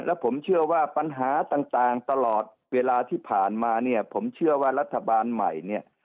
แล้วผมเชื่อว่าปัญหาต่างตลอดเวลาที่ผ่านมาเนี่ยผมเชื่อว่ารัฐบาลใหม่เนี่ย